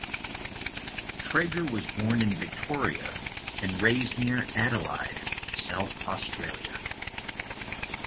Traeger was born in Victoria, and raised near Adelaide, South Australia.